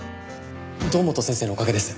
堂本先生のおかげです。